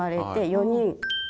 ４人。